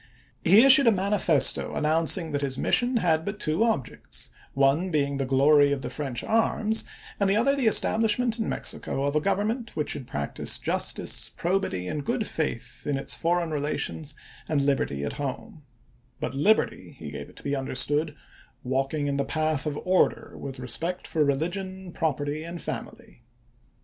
He issued a manifesto announcing that his mission had but two objects, one being the glory of the French arms, and the other the estab lishment in Mexico of a government which should practice justice, probity, and good faith in its for eign relations and liberty at home ;" but liberty," he gave it to be understood, " walking in the path of order, with respect for religion, property, and family."